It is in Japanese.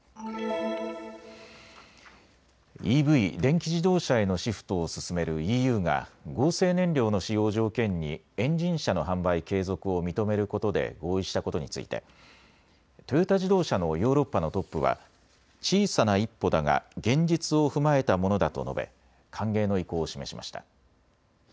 ＥＶ・電気自動車へのシフトを進めるＥＵが合成燃料の使用を条件にエンジン車の販売継続を認めることで合意したことについてトヨタ自動車のヨーロッパのトップは小さな一歩だが現実を踏まえたものだと述べ歓迎の意向を示しました。